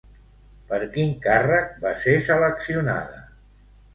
Per quin càrrec va ser seleccionada?